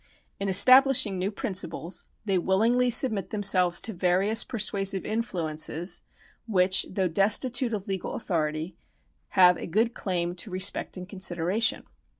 In establishing new principles, they willingly submit themselves to various persuasive influences which, though destitute of legal authority, have a good claim to respect and consideration.